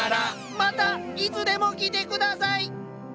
またいつでも来てください！